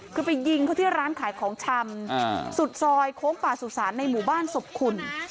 คือไปยิงเขาที่ร้านขายของชำสุดซอยโค้งป่าสุสานในหมู่บ้านศพคุณ